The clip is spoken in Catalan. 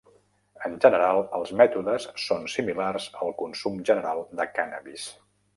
En general, els mètodes són similars al consum general de cànnabis.